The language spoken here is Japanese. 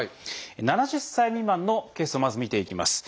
７０歳未満のケースをまず見ていきます。